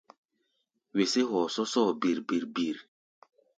Wesé hɔɔ sɔ́sɔ́ɔ bir-bir-bir.